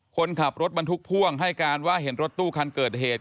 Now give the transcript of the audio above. คนขับรถบรรทุกพ่วงให้การว่าเห็นรถตู้คันเกิดเหตุ